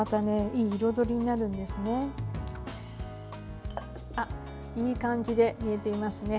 いい感じで煮えていますね。